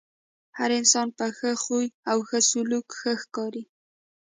هر انسان په ښۀ خوی او ښۀ سلوک ښۀ ښکاري .